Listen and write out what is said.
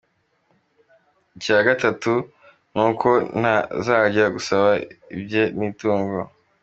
Icya gatatu ni uko ntazajya gusaba ibijya n’imitungo.